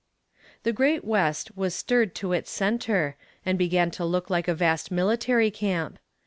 The great West was stirred to its center, and began to look like a vast military camp.